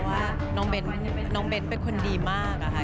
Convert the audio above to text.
ว่าน้องเบนน้องเบนเป็นคนดีมาก